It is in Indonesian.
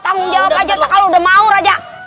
tanggung jawab aja kalau udah mau rajas